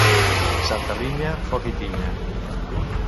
Santa Linya, foc i tinya.